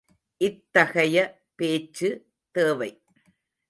இத்தகைய பேச்சு தேவை.